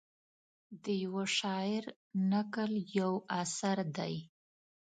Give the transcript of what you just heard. د یوه شاعر نکل یو اثر دی.